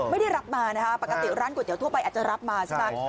ไม่ได้รับมานะคะปกติร้านก๋วยเตีทั่วไปอาจจะรับมาใช่ไหม